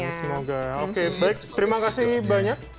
semoga oke baik terima kasih banyak